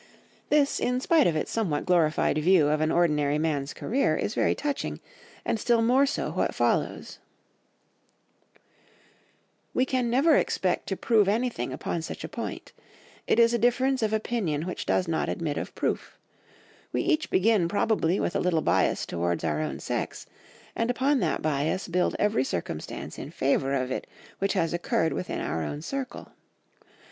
'" This, in spite of its somewhat glorified view of an ordinary man's career, is very touching, and still more so what follows— "'We can never expect to prove anything upon such a point. It is a difference of opinion which does not admit of proof. We each begin probably with a little bias towards our own sex; and upon that bias build every circumstance in favour of it which has occurred within our own circle....